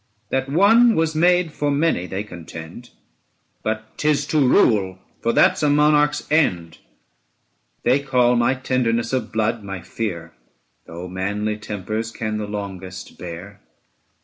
That one was made for many, they contend ; 945 But 'tis to rule, for that's a monarch's end. They call my tenderness of blood my fear, Though manly tempers can the longest bear.